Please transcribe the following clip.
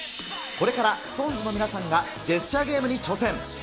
これからＳｉｘＴＯＮＥＳの皆さんが、ジェスチャーゲームに挑戦。